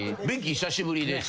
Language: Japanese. お久しぶりです。